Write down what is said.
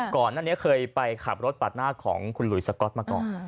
ก่อนหน้านี้เคยไปขับรถปาดหน้าของคุณหลุยสก๊อตมาก่อน